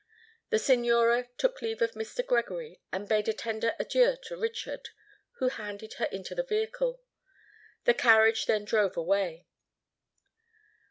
The Signora took leave of Mr. Gregory, and bade a tender adieu to Richard, who handed her into the vehicle. The carriage then drove away.